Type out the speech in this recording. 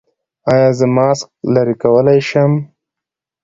ایا زه ماسک لرې کولی شم؟